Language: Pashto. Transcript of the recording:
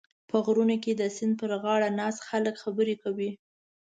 په غرونو کې د سیند پرغاړه ناست خلک خبرې کوي.